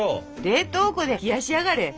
冷凍庫で冷やしやがれ。